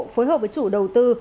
phối hợp với chủ đầu tư